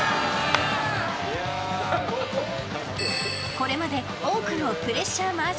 これまで多くのプレッシャー麻雀